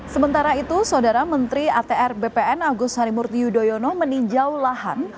sementara itu saudara menteri atr bpn agus harimurti yudhoyono meninjau lahan